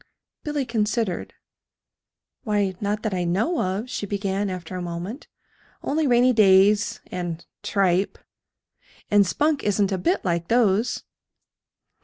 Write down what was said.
Billy considered. "Why, not that I know of," she began, after a moment, "only rainy days and tripe. And Spunk isn't a bit like those."